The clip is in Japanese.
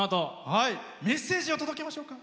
メッセージを届けましょうか。